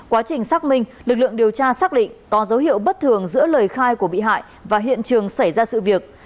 quá trình xác minh lực lượng điều tra xác định có dấu hiệu bất thường giữa lời khai của bị hại và hiện trường xảy ra sự việc